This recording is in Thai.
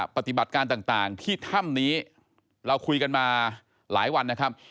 ปฏิบัติการต่างที่ถ้ำนี้เราคุยกันมาหลายวันนะครับ